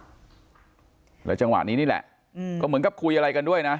แล้วจังหวะนี้นี่แหละอืมก็เหมือนกับคุยอะไรกันด้วยนะ